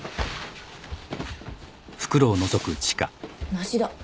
梨だ。